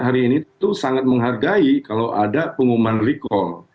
hari ini tentu sangat menghargai kalau ada pengumuman recall